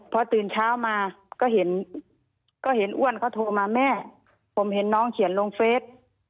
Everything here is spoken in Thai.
พอตื่นเช้ามาก็เห็นก็เห็นอ้วนเขาโทรมาแม่ผมเห็นน้องเขียนลงเฟส